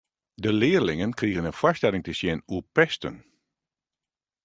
De learlingen krigen in foarstelling te sjen oer pesten.